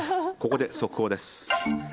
ここで速報です。